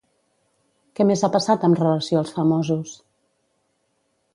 Què més ha passat amb relació als famosos?